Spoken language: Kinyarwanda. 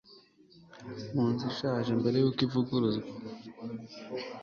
munzu ishaje mbere yuko ivugururwa